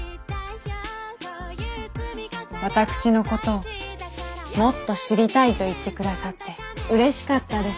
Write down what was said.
私のことをもっと知りたいと言って下さってうれしかったです。